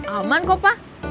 aman kok pak